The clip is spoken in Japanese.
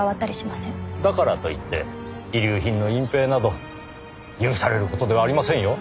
だからといって遺留品の隠蔽など許される事ではありませんよ。